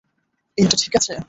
এইটা ঠিক আছে?